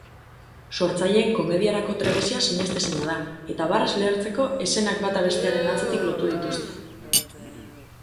Sortzaileen komediarako trebezia sinestezina da, eta barrez lehertzeko eszenak bata bestearen atzetik lotu dituzte.